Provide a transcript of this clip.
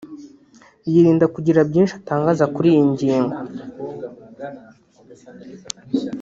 yirinda kugira byinshi atangaza kuri iyi ngingo